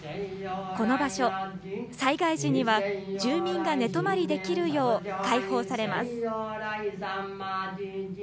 この場所、災害時には、住民が寝泊まりできるよう開放されます。